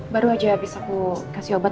baru aja habis aku kasih obat